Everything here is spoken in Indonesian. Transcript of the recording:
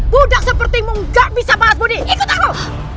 budak sepertimu gak bisa bahas budi ikut aku